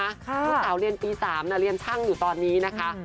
ลูกสาวเรียนปี๓เรียนช่างอยู่ตอนนี้นะคะ